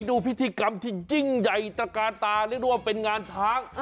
ดูพิธีกรรมที่ยิ่งใหญ่ตระกาตาเรียกได้ว่าเป็นงานช้าง